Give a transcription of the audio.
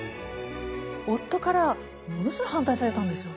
夫からものすごい反対されたんですよ。